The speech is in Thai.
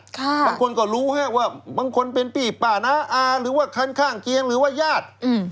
บางคนก็รู้ว่าบางคนเป็นพี่ป้าน้าอาหรือว่าคันข้างเคียงหรือว่าญาติ